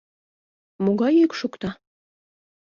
Могай йӱк шокта?